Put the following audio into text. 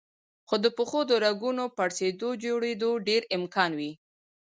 نو د پښو د رګونو پړسېدو جوړېدو ډېر امکان وي